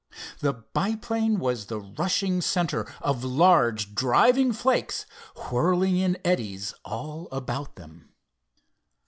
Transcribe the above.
The biplane was the rushing center of large driving flakes whirling in eddies all about them.